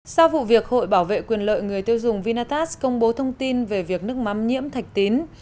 sau vụ việc hội bảo vệ quyền lợi người tiêu dùng vinatast công bố thông tin về việc nước mắm nhiễm thạch tín